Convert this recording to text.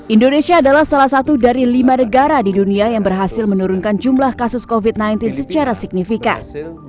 indonesia adalah salah satu dari lima negara di dunia yang berhasil menurunkan jumlah kasus covid sembilan belas secara signifikan